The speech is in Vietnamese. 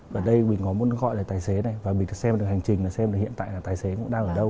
và đây mình có muốn gọi là tài xế này và mình xem được hành trình là xem là hiện tại là tài xế cũng đang ở đâu